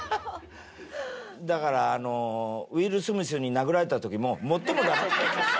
だからあのウィル・スミスに殴られた時ももっともだと。